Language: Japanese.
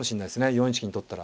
４一金取ったら。